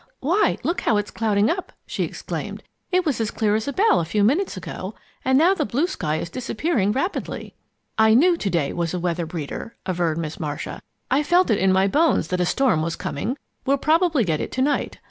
"Why, look how it's clouding up!" she exclaimed. "It was as clear as a bell a few minutes ago, and now the blue sky is disappearing rapidly." "I knew to day was a weather breeder," averred Miss Marcia. "I felt in my bones that a storm was coming. We'll probably get it to night.